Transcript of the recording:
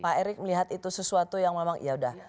pak erick melihat itu sesuatu yang memang yaudah